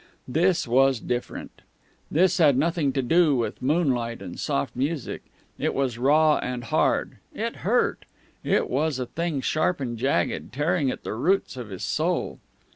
This was different. This had nothing to do with moonlight and soft music. It was raw and hard. It hurt. It was a thing sharp and jagged, tearing at the roots of his soul.